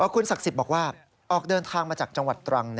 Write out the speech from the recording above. คุณศักดิ์สิทธิ์บอกว่าออกเดินทางมาจากจังหวัดตรัง